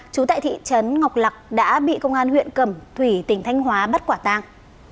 trú tại thị trấn ngọc lạc đã bị công an huyện cẩm thủy tỉnh thanh hóa bắt quả tang